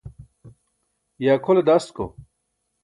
ye akʰole dasko?